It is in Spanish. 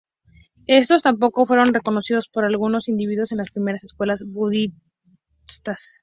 Estos tampoco fueron reconocidos por algunos individuos en las primeras escuelas budistas.